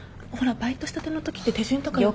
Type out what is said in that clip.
バイトしたてのときって手順とかよく。